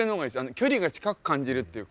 距離が近く感じるっていうか。